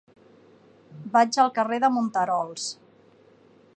Vaig al carrer de Monterols.